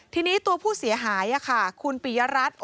ทีนี้ตัวผู้เสียหายคุณปียรัฐ